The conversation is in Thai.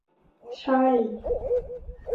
ใช่